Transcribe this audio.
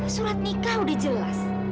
surat nikah udah jelas